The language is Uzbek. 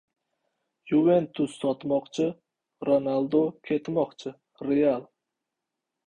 "Yuventus" sotmoqchi, Ronaldu ketmoqchi. "Real" —?